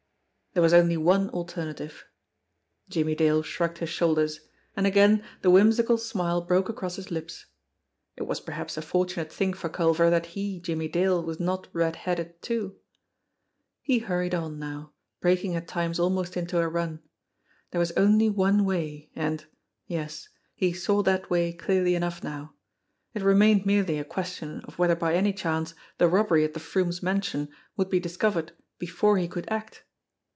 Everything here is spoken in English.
There was only one alternative. Jimmie Dale shrugged his shoulders, and again the whimsical smile broke across his lips. It was perhaps a fortunate thing for Culver that he, Jimmie Dale, was not red headed too ! He hurried on now, breaking at times almost into a run. There was only one way, and yes he saw that way clearly enough now. It remained merely a question of whether by any chance the robbery at the Froomes' mansion would be discovered before he could act.